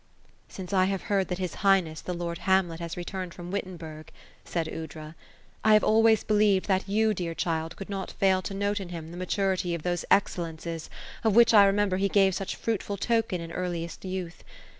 '< Since I have heard that his highness, the lord Hamlet, has returned from Wittenberg," said Aoudra, *' I have always believed that you, dear child, could not fail to note in him the maturity of those excellences, of which I remember he gave such fruitful token in earliest youth.